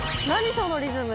そのリズム。